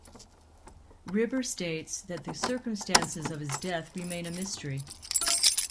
Riber states that the circumstances of his death remain a mystery.